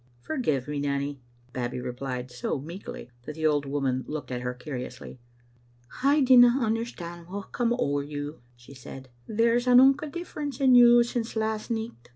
"Forgive me, Nanny," Babbie replied, so meekly that the old woman looked at her curiously. "I dinna understand what has come ower you," she said. " There's an unca difference in you since last hicht.